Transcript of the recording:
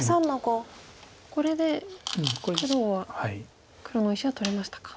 これで黒は黒の石は取れましたか。